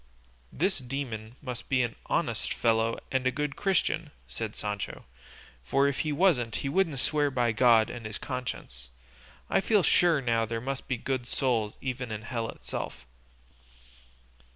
"This demon must be an honest fellow and a good Christian," said Sancho; "for if he wasn't he wouldn't swear by God and his conscience; I feel sure now there must be good souls even in hell itself."